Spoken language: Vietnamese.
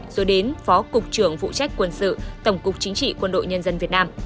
rồi đến phó cục trưởng vụ trách quân sự tổng cục chính trị quân đội nhân dân việt nam